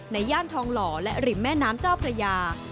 ย่านทองหล่อและริมแม่น้ำเจ้าพระยา